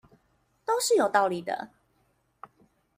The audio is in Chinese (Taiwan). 都是有道理的